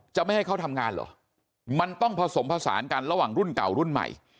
ไม่ให้เขาทำงานเหรอมันต้องผสมผสานกันระหว่างรุ่นเก่ารุ่นใหม่